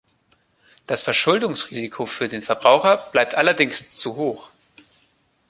Das Verschuldungsrisiko für den Verbraucher bleibt allerdings zu hoch.